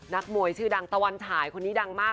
นักมวยชื่อดังตะวันฉายคนนี้ดังมาก